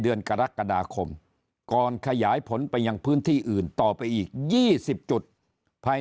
เดือนกรกฎาคมก่อนขยายผลไปยังพื้นที่อื่นต่อไปอีก๒๐จุดภายใน